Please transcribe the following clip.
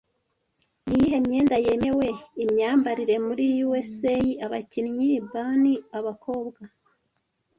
Niyihe myenda yemewe / imyambarire muri USA Abakinyi Bunny Abakobwa